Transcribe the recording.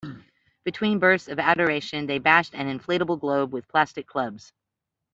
Between bursts of adoration, they bashed an inflatable globe with plastic clubs.